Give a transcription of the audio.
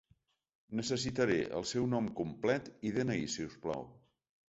Necessitaré el seu nom complet i de-ena-i si us plau.